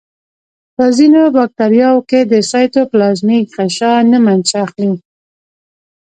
په ځینو باکتریاوو کې د سایتوپلازمیک غشا نه منشأ اخلي.